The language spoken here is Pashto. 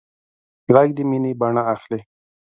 غږ د مینې بڼه اخلي